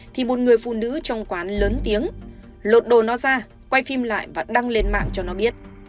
thì một người phụ nữ trong quán lớn tiếng lột đồ nó ra quay phim lại và đăng lên mạng cho nó biết